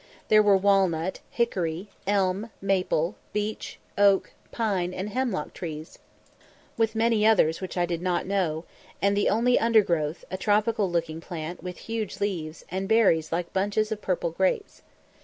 There were walnut, hickory, elm, maple, beech, oak, pine, and hemlock trees, with many others which I did not know, and the only undergrowth, a tropical looking plant, with huge leaves, and berries like bunches of purple grapes.